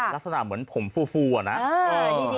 ลักษณะเหมือนผมฟูอะนะ